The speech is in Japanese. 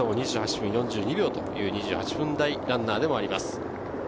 ２８分２４秒という２８分台ランナーでもあります。